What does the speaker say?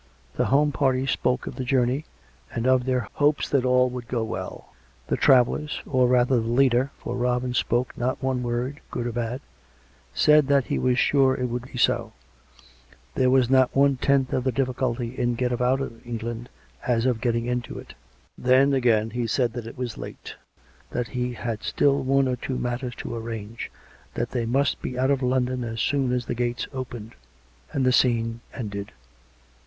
The home party spoke of the journey, and of their hopes that all would go well; the travellers, or rather the leader (for Robin spoke not one word, good or bad), said that he was sure it would be so; there was not one tenth of the difficulty in getting out of England as of getting into it. Then, again, he said that it was late; that he had still one or two matters to arrange; that they must be out of London as soon as the gates opened. And the scene ended.